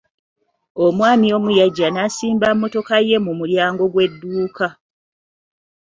Omwami omu yajja n'asimba mmotoka ye mu mulyango gw'edduuka.